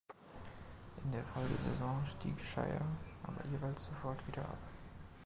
In der Folgesaison stieg "Shire" aber jeweils sofort wieder ab.